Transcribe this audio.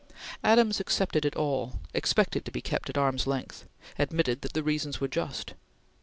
Adams accepted it all; expected to be kept at arm's length; admitted that the reasons were just.